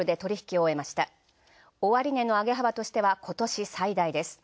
終値の上げ幅としては今年最大です。